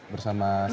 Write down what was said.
bersama sang istri